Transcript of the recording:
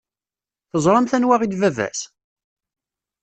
Teẓramt anwa i d baba-s?